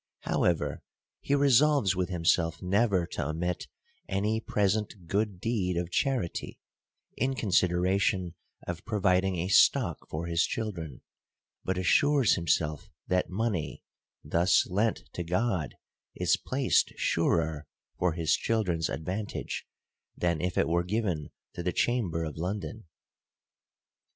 However, he resolves with himself never to omit any present good deed of charity, in consideration of providing a stock for his children : but assures him self that money, thus lent to God, is placed surer for his children's advantage, than if it were given to the cham ber of London.